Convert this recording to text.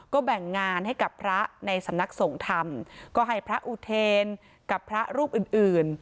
ก็แบ่งงานให้กับพระในสำนักสงฆ์ธรรมก็ให้พระอุเทนกับพระรูปอื่นอื่น